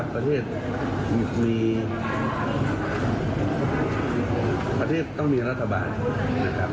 ประเทศต้องมีรัฐบาลนะครับ